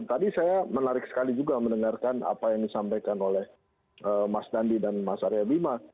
tadi saya menarik sekali juga mendengarkan apa yang disampaikan oleh mas dandi dan mas arya bima